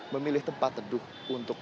memilih tempat duduk untuk